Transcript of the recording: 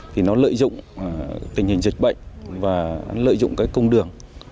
thì nó lợi dụng tình hình dịch bệnh và lợi dụng công đường